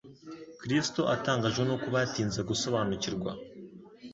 Kristo atangajwe n'uko batinze gusobanukirwa,